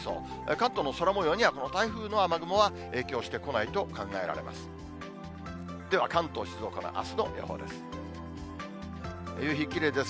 関東の空もようには、この台風の雨雲は影響してこないと考えられます。